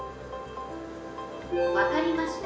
「分かりました。